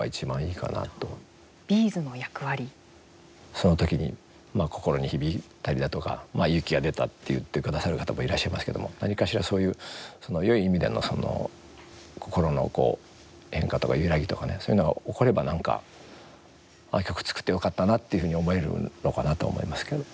その時に心に響いたりだとか勇気が出たって言ってくださる方もいらっしゃいますけども何かしら、そういうよい意味での心の変化とか、揺らぎとかねそういうのが起これば、なんかあ、曲作ってよかったなというふうに思えるのかなと思いますけど。